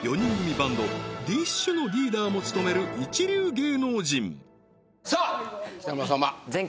バンドＤＩＳＨ／／のリーダーも務める一流芸能人さあ北村様